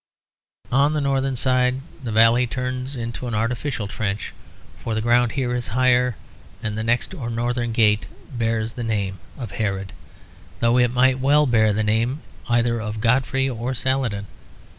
On the northern side the valley turns to an artificial trench, for the ground here is higher; and the next or northern gate bears the name of Herod; though it might well bear the name either of Godfrey or Saladin.